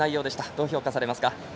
どう評価されますか。